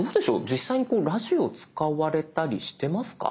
実際にラジオを使われたりしてますか？